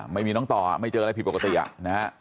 ไมค์มีน้องต่อไม่มีเจอรายผิดปกติอะนะฮะ